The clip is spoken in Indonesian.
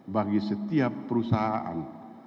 bagi setiap perusahaan